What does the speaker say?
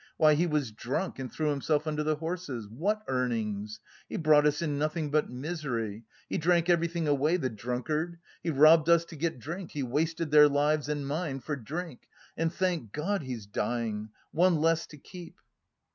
Why, he was drunk and threw himself under the horses! What earnings? He brought us in nothing but misery. He drank everything away, the drunkard! He robbed us to get drink, he wasted their lives and mine for drink! And thank God he's dying! One less to keep!"